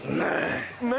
何？